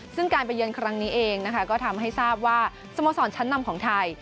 ซึ่งการไปเยือนครั้งนี้เองนะคะก็ทำให้ทราบว่าสโมสรชั้นนำของไทย